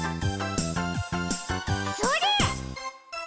それ！